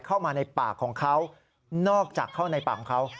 เข้ามาในปากของเขานอกจากเข้าในปากของเขา